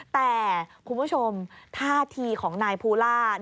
แต่คุณผู้ชมท่าทีของนายภูล่า